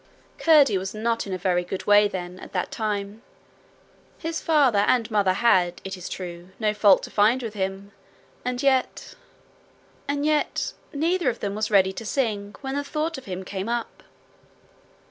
Curdie was not in a very good way, then, at that time. His father and mother had, it is true, no fault to find with him and yet and yet neither of them was ready to sing when the thought of him came up.